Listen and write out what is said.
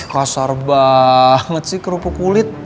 pasar banget sih kerupuk kulit